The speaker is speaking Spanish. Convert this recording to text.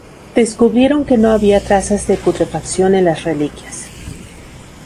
Descubrieron que no había trazas de putrefacción en las reliquias.